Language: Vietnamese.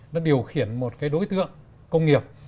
nó điều khiển một đối tượng công nghiệp